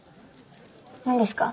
何ですか？